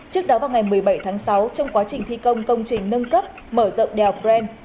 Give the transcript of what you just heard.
trước đó vào ngày một mươi bảy tháng sáu trong quá trình thi công công trình nâng cấp mở rộng đèo bren